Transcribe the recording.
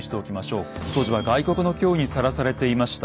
当時は外国の脅威にさらされていました。